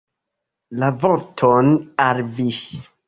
Ia vorton al vi.